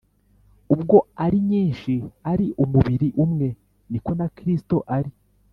ubwo ari nyinshi, ari umubiri umwe, niko na Kristo ari